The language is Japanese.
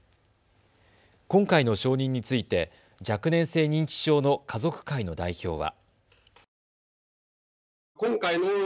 今回の承認について若年性認知症の家族会の代表は。